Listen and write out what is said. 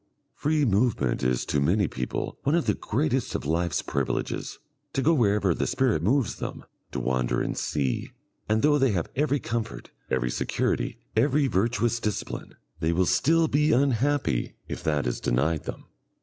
Free movement is to many people one of the greatest of life's privileges to go wherever the spirit moves them, to wander and see and though they have every comfort, every security, every virtuous discipline, they will still be unhappy if that is denied them.